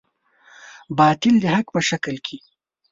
باطل د حق په شکل کې.